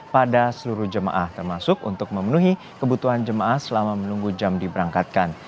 pada seluruh jemaah termasuk untuk memenuhi kebutuhan jemaah selama menunggu jam diberangkatkan